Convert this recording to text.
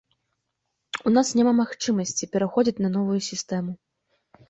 У нас няма магчымасці пераходзіць на новую сістэму.